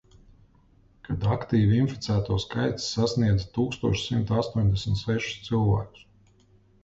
Kad aktīvi inficēto skaits sasniedza tūkstoš simt astoņdesmit sešus cilvēkus.